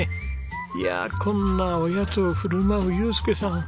いやあこんなおやつを振る舞う祐介さん